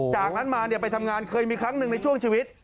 จากนั้นมาไปทำงานเคยมีครั้งหนึ่งในช่วงชีวิต